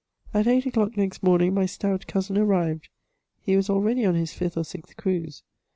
At eight o'clock next morning my stout cousin arrived ; he was already on his fiflh or sixth cruise.